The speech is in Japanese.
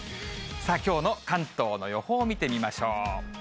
さあ、きょうの関東の予報を見てみましょう。